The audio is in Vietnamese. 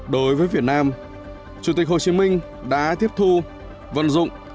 đối với việt nam chủ tịch hồ chí minh đã tiếp thu vận dụng